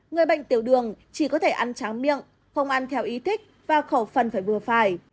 người bệnh tiểu đường chỉ có thể ăn tráng miệng không ăn theo ý thích và khẩu phần phải vừa phải